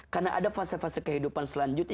karena ada fase fase kehidupan selanjutnya